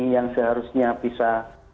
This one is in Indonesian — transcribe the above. yang seharusnya bisa